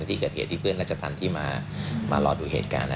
ที่เกิดเหตุที่เพื่อนรัชธรรมที่มารอดูเหตุการณ์